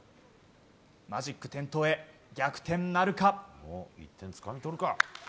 マジック点灯へ、逆転なるか。